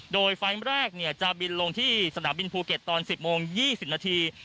โดยไฟล์แรกจะบินลงที่สนามบินภูเก็ตตอน๑๐โมง๒๐นาที